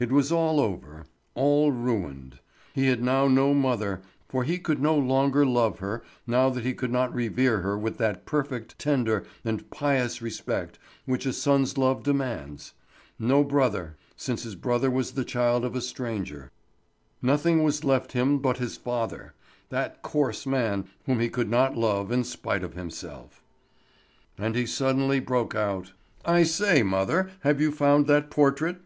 It was all over, all ruined. He had now no mother—for he could no longer love her now that he could not revere her with that perfect, tender, and pious respect which a son's love demands; no brother—since his brother was the child of a stranger; nothing was left him but his father, that coarse man whom he could not love in spite of himself. And he suddenly broke out: "I say, mother, have you found that portrait?"